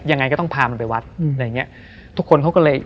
ยังไงก็ต้องพามันไปวัดอะไรอย่างเงี้ยทุกคนเขาก็เลย